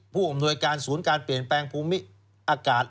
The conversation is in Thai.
ผู้อำนวยการศูนย์การเปลี่ยนแปลงภูมิอากาศ